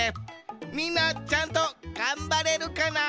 みんなちゃんとがんばれるかな？